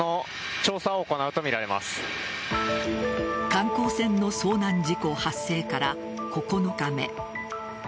観光船の遭難事故発生から９日目。